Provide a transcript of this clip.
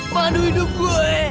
madu hidup gue